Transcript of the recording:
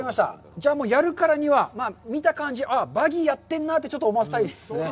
じゃあ、やるからには見た感じ、ああ、バギーやってんなと思わせたいですね。